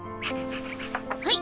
はい。